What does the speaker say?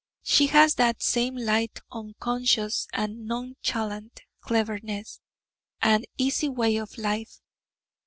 She has that same light, unconscious, and nonchalant cleverness, and easy way of life.